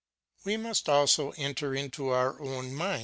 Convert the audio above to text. ^ We must also enter into our own mind?